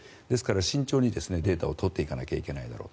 ですから、慎重にデータを取っていかなければいけない。